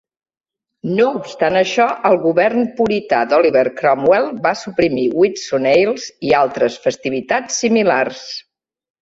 No obstant això, el govern purità d'Oliver Cromwell va suprimir Whitsun Ales i altres festivitats similars.